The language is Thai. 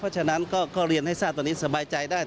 เพราะฉะนั้นก็เรียนให้ทราบตอนนี้สบายใจได้